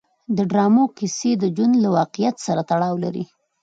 د ډرامو کیسې د ژوند له واقعیت سره تړاو لري.